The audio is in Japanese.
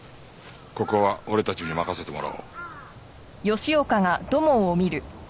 ここは俺たちに任せてもらおう。